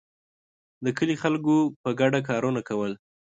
د کلي خلکو په ګډه کارونه کول.